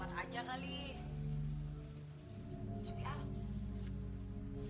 pak pak pak